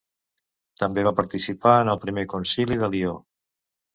També va participar en el Primer Concili de Lió.